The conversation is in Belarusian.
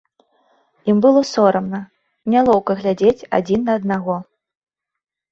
Ім было сорамна, нялоўка глядзець адзін на аднаго.